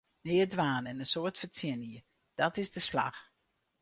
Neat dwaan en in soad fertsjinje, dàt is de slach!